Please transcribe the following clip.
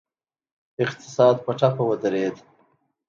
اقتصاد په ټپه ودرید.